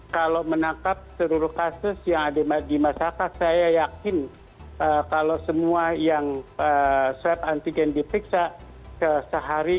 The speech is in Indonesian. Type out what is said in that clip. kalau menangkap seluruh kasus yang ada di masyarakat saya yakin kalau semua yang swab antigen dipiksa sehari